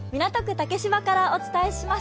竹芝からお伝えします。